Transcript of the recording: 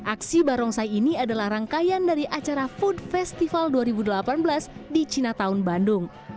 aksi barongsai ini adalah rangkaian dari acara food festival dua ribu delapan belas di cinatown bandung